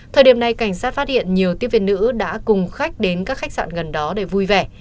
thời điểm này cảnh sát phát hiện nhiều tiếp viên nữ đã cùng khách đến các khách sạn gần đó để vui vẻ